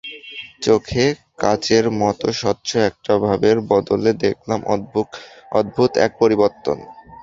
চোখে কাচের মতো স্বচ্ছ একটা ভাবের বদলে দেখলাম অদ্ভুত এক পরিবর্তন।